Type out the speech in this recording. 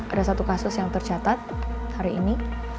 ada satu kasus yang tercatat hari ini